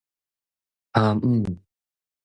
阿姆